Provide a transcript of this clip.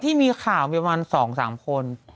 ที่มีข่าวมีประมาณ๒๓คน